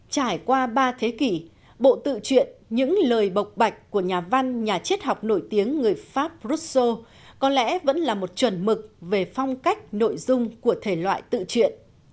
trải qua ba thế kỷ bộ tự truyện những lời bộc bạch của nhà văn nhà triết học nổi tiếng người pháp brusso có lẽ vẫn là một chuẩn mực về phong cách nội dung của thể loại tự truyện